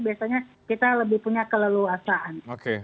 biasanya kita lebih punya keleluasaan